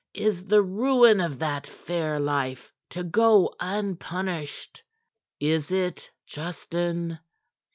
"Is the ruin of that fair life to go unpunished? Is it, Justin?"